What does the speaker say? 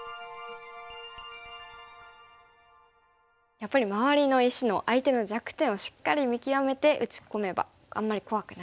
やっぱり周りの石の相手の弱点をしっかり見極めて打ち込めばあんまり怖くないですね。